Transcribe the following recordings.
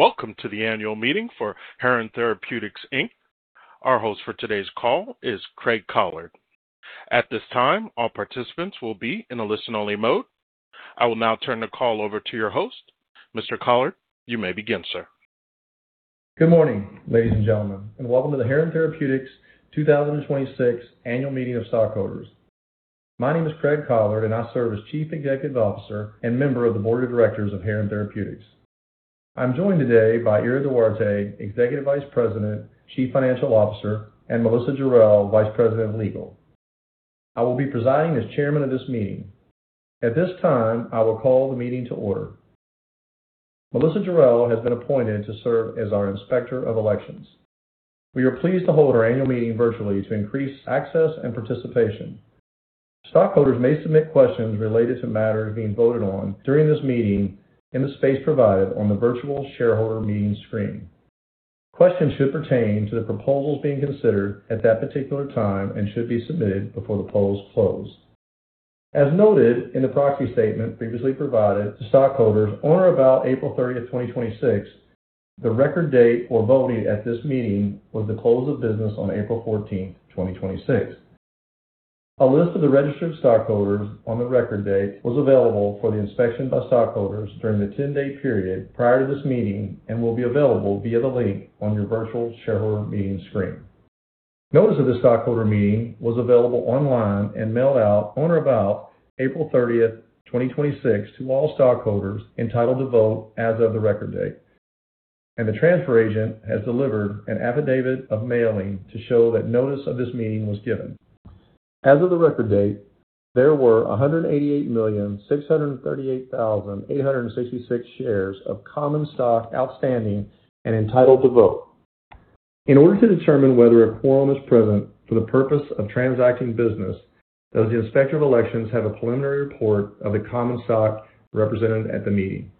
Welcome to the annual meeting for Heron Therapeutics, Inc. Our host for today's call is Craig Collard. At this time, all participants will be in a listen-only mode. I will now turn the call over to your host. Mr. Collard, you may begin, sir. Good morning, ladies and gentlemen, and welcome to the Heron Therapeutics 2026 annual meeting of stockholders. My name is Craig Collard, and I serve as Chief Executive Officer and member of the Board of Directors of Heron Therapeutics. I'm joined today by Ira Duarte, Executive Vice President, Chief Financial Officer, and Melissa Jarel, Vice President of Legal. I will be presiding as chairman of this meeting. At this time, I will call the meeting to order. Melissa Jarel has been appointed to serve as our Inspector of Elections. We are pleased to hold our annual meeting virtually to increase access and participation. Stockholders may submit questions related to matters being voted on during this meeting in the space provided on the virtual shareholder meeting screen. Questions should pertain to the proposals being considered at that particular time and should be submitted before the polls close. As noted in the proxy statement previously provided to stockholders on or about April 30th, 2026, the record date for voting at this meeting was the close of business on April 14th, 2026. A list of the registered stockholders on the record date was available for the inspection by stockholders during the 10-day period prior to this meeting and will be available via the link on your virtual shareholder meeting screen. Notice of the stockholder meeting was available online and mailed out on or about April 30th, 2026 to all stockholders entitled to vote as of the record date. The transfer agent has delivered an affidavit of mailing to show that notice of this meeting was given. As of the record date, there were 188,638,866 shares of common stock outstanding and entitled to vote. In order to determine whether a quorum is present for the purpose of transacting business, does the Inspector of Elections have a preliminary report of the common stock represented at the meeting?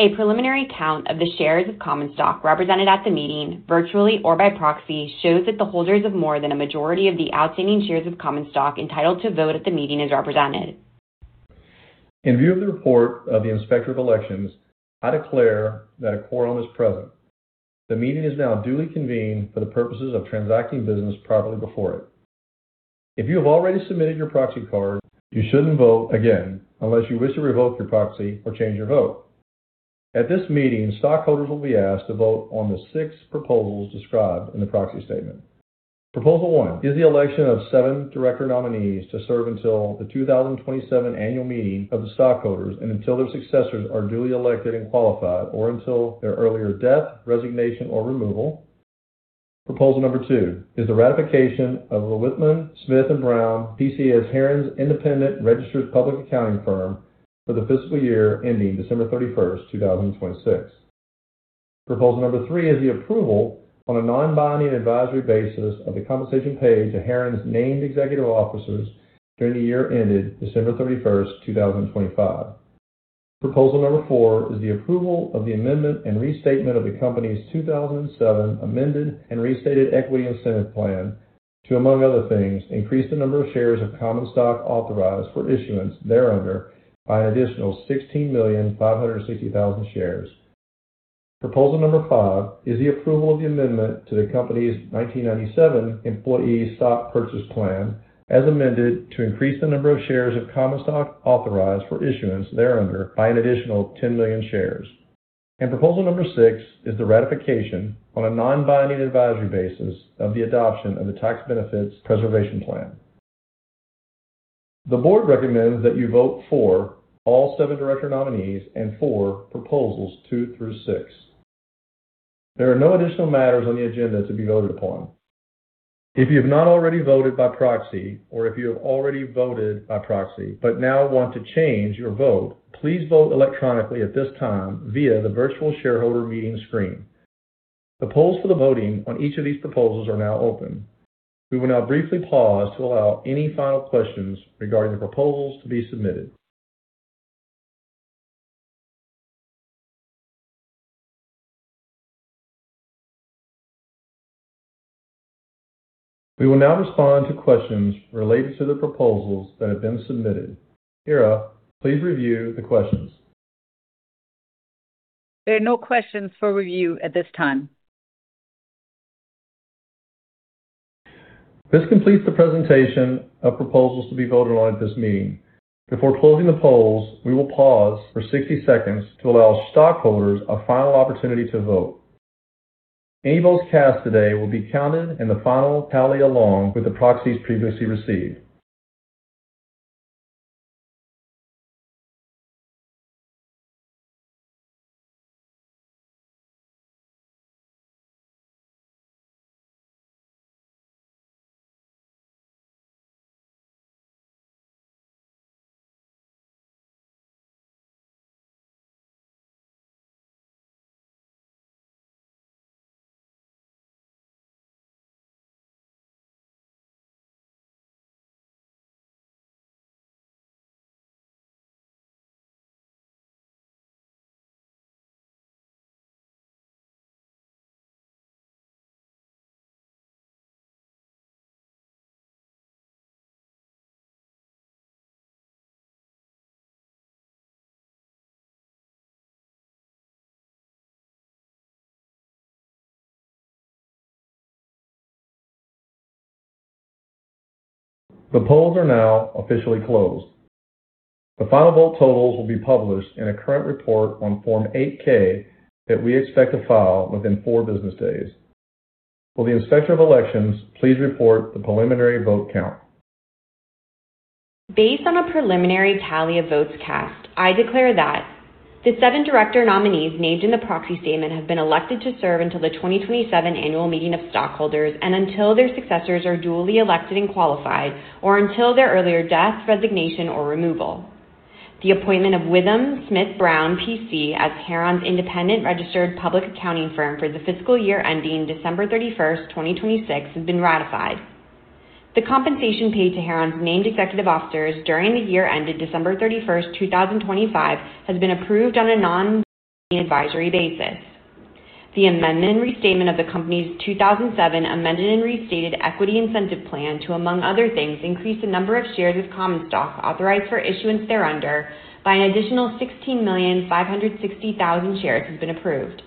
A preliminary count of the shares of common stock represented at the meeting, virtually or by proxy, shows that the holders of more than a majority of the outstanding shares of common stock entitled to vote at the meeting is represented. In view of the report of the Inspector of Elections, I declare that a quorum is present. The meeting is now duly convened for the purposes of transacting business properly before it. If you have already submitted your proxy card, you shouldn't vote again unless you wish to revoke your proxy or change your vote. At this meeting, stockholders will be asked to vote on the six proposals described in the proxy statement. Proposal one is the election of seven director nominees to serve until the 2027 annual meeting of the stockholders and until their successors are duly elected and qualified, or until their earlier death, resignation, or removal. Proposal number two is the ratification of WithumSmith+Brown, P.C. as Heron's independent registered public accounting firm for the fiscal year ending December 31st, 2026. Proposal number three is the approval on a non-binding advisory basis of the compensation paid to Heron's named executive officers during the year ended December 31st, 2025. Proposal number four is the approval of the amendment and restatement of the company's 2007 Amended and Restated Equity Incentive Plan to, among other things, increase the number of shares of common stock authorized for issuance thereunder by an additional 16,560,000 shares. Proposal number five is the approval of the amendment to the company's 1997 Employee Stock Purchase Plan, as amended, to increase the number of shares of common stock authorized for issuance thereunder by an additional 10 million shares. Proposal number six is the ratification on a non-binding advisory basis of the adoption of the Tax Benefits Preservation Plan. The board recommends that you vote for all seven director nominees and for proposals two through six. There are no additional matters on the agenda to be voted upon. If you have not already voted by proxy, or if you have already voted by proxy but now want to change your vote, please vote electronically at this time via the virtual shareholder meeting screen. The polls for the voting on each of these proposals are now open. We will now briefly pause to allow any final questions regarding the proposals to be submitted. We will now respond to questions related to the proposals that have been submitted. Ira, please review the questions. There are no questions for review at this time. This completes the presentation of proposals to be voted on at this meeting. Before closing the polls, we will pause for 60 seconds to allow stockholders a final opportunity to vote. Any votes cast today will be counted in the final tally, along with the proxies previously received. The polls are now officially closed. The final vote totals will be published in a current report on Form 8-K that we expect to file within four business days. Will the Inspector of Elections please report the preliminary vote count? Based on a preliminary tally of votes cast, I declare that the seven director nominees named in the proxy statement have been elected to serve until the 2027 annual meeting of stockholders and until their successors are duly elected and qualified, or until their earlier death, resignation, or removal. The appointment of WithumSmith+Brown, P.C. as Heron's independent registered public accounting firm for the fiscal year ending December 31st, 2026, has been ratified. The compensation paid to Heron's named executive officers during the year ended December 31st, 2025, has been approved on a non-binding advisory basis. The amendment and restatement of the company's 2007 Amended and Restated Equity Incentive Plan to, among other things, increase the number of shares of common stock authorized for issuance thereunder by an additional 16.56 million shares has been approved.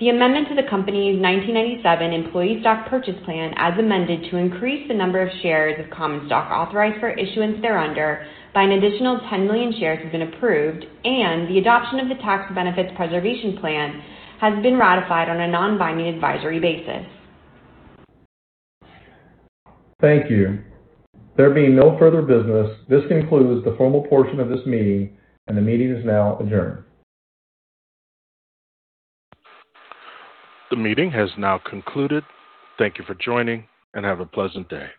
The amendment to the company's 1997 Employee Stock Purchase Plan, as amended to increase the number of shares of common stock authorized for issuance thereunder by an additional 10 million shares has been approved, the adoption of the Tax Benefits Preservation Plan has been ratified on a non-binding advisory basis. Thank you. There being no further business, this concludes the formal portion of this meeting and the meeting is now adjourned. The meeting has now concluded. Thank you for joining, and have a pleasant day.